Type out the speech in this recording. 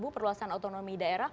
perluasan otonomi daerah